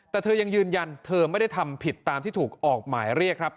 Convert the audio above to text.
แต่เธอยังยืนยันเธอไม่ได้ทำผิดตามที่ถูกออกหมายเรียกครับ